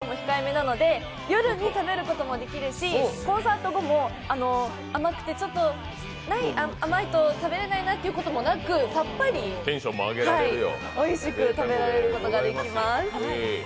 そして砂糖も控えめなので夜に食べることもできるしコンサート後も甘いと食べれないなということもなくさっぱりおいしく食べることができます。